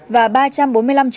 và ba trăm bốn mươi năm triệu đồng